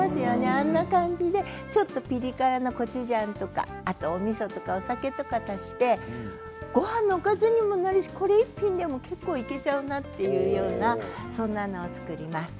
あんな感じでピリ辛なコチュジャンとかおみそとかお酒とかを足してごはんのおかずにもなるしこれ一品でも結構いけてしまうなというようなそんなものを作ります。